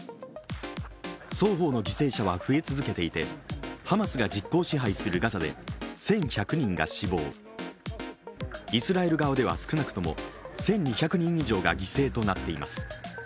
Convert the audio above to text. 双方の犠牲者は増え続けていて、ハマスが実効支配するガザで１１００人が死亡、イスラエル側では少なくとも１２００人以上が犠牲となっています。